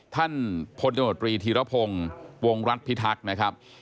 ท่านพลตมตรีธีรพงศ์วงรัฐพิทักษ์นะครับ